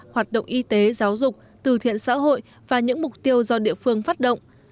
hoạt động y tế giáo dục từ thiện xã hội và những mục tiêu do địa phương phát động